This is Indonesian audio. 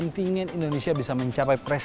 pilihannya hanya ada dua